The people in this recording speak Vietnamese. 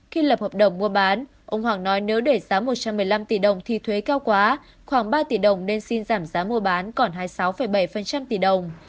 khi lập hợp đồng mua bán ông hoàng nói nếu để giá một trăm một mươi năm tỷ đồng thì thuế cao quá khoảng ba tỷ đồng nên xin giảm giá mua bán còn hai mươi sáu bảy tỷ đồng